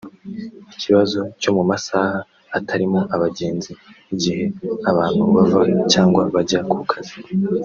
Ikibazo cyo mu masaha atarimo abagenzi nk’igihe abantu bava cyangwa bajya ku kazi